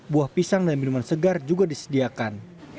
buah pisang dan minuman segar juga disediakan